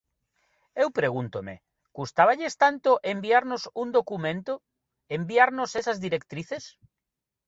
Eu pregúntome: ¿custáballes tanto enviarnos un documento, enviarnos esas directrices?